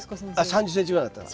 ３０ｃｍぐらいになったら。